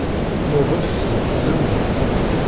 Nudef seg tzewwut.